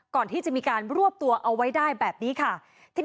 ก่อนที่มีการรวบทุกข์เอาไว้ได้แบบนี้